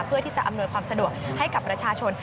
ที่จะอำนวยความสะดวกให้กับประชาชน